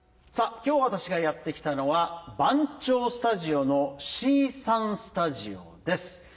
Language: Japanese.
今日私がやって来たのは番町スタジオのＣ３スタジオです。